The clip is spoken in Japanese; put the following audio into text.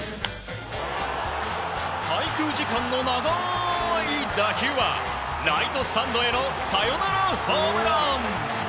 滞空時間の長い打球はライトスタンドへのサヨナラホームラン。